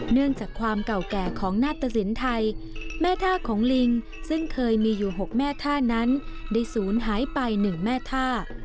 เนื่องจากความเก่าแก่ของนาตสินไทยแม่ท่าของลิงซึ่งเคยมีอยู่๖แม่ท่านั้นได้ศูนย์หายไป๑แม่ท่า